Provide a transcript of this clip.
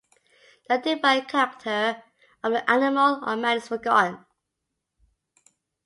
The divine character of the animal or man is forgotten.